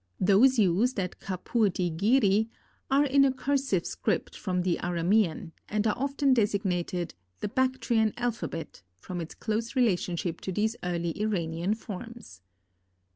Those used at Kapur di giri are in a cursive script from the Aramean, and are often designated "the Bactrian alphabet," from its close relationship to these early Iranian forms.